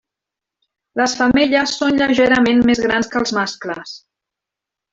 Les femelles són lleugerament més grans que els mascles.